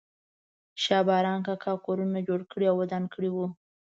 شا باران کاکا کورونه جوړ کړي او ودان کړي وو.